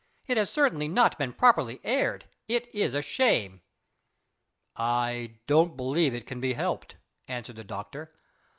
"It has certainly not been properly aired. It is a shame!" "I don't believe it can be helped," answered the doctor.